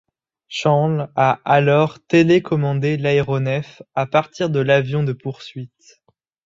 Shanle a alors télécommandé l'aéronef à partir de l'avion de poursuite.